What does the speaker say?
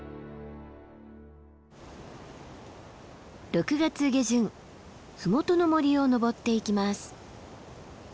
６月下旬麓の森を登っていきます。